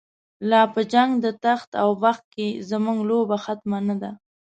لاپه جنګ دتخت اوبخت کی، زموږ لوبه ختمه نه ده